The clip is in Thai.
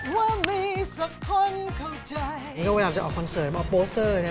ก็พยายามจะออกคอนเสิร์ตออกโปสเตอร์เนี่ย